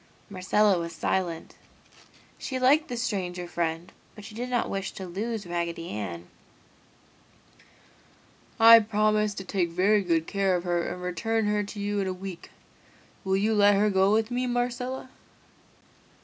Marcella was silent. She liked the stranger friend, but she did not wish to lose Raggedy Ann. "I will promise to take very good care of her and return her to you in a week. Will you let her go with me, Marcella?"